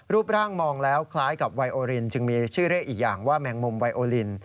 รูปร่างมองแล้วคล้ายกับไวโอรินจึงมีชื่อเรียกอีกอย่างว่าแมงมุมไวโอลิน